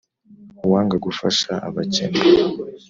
uwanga gufasha abakene